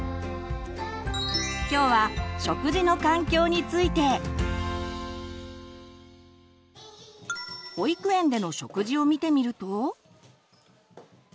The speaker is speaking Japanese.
今日は保育園での食事を見てみると。